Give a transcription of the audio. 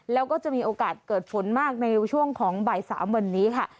แล้วก็จะมีโอกาสเกิดฝนมากในช่วงของบ่าย๓วันนี้ค่ะ